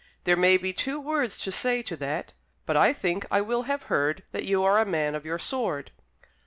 "There may be two words to say to that. But I think I will have heard that you are a man of your sword?"